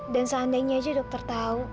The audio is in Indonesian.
dan seandainya aja dokter tahu